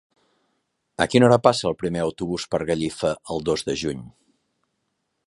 A quina hora passa el primer autobús per Gallifa el dos de juny?